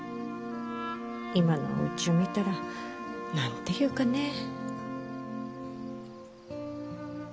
今のうちを見たら何て言うかねえ。